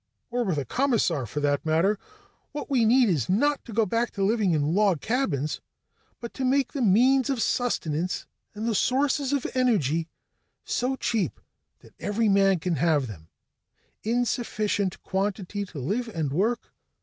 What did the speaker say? Or with a commissar, for that matter. "What we need is not to go back to living in log cabins, but to make the means of sustenance and the sources of energy so cheap that every man can have them in sufficient quantity to live and work.